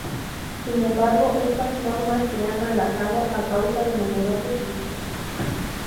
Sin embargo, estas normas se han relajado a causa de numerosos incidentes.